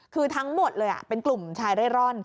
คือทั้งหมดเลยเป็นกลุ่มชายเร่ร่อน